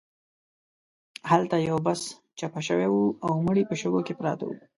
هلته یو بس چپه شوی و او مړي په شګو کې پراته وو.